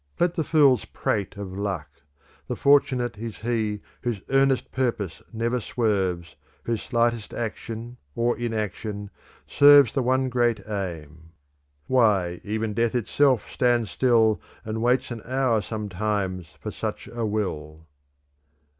Let the fools prate of luck. The fortunate Is he whose earnest purpose never swerves, Whose slightest action, or inaction, Serves the one great aim. Why, even death itself Stands still and waits an hour sometimes For such a will."